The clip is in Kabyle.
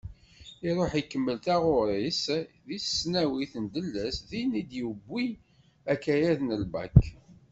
Iruḥ ikemmel taɣuri-s di tesnawit n Delles, din i d-yewwi akayad n lbak.